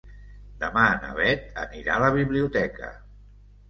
Demà na Bet anirà a la biblioteca.